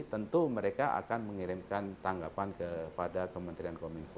tentu mereka akan mengirimkan tanggapan kepada kementerian kominfo